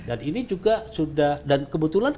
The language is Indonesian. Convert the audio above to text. ini juga sudah dan kebetulan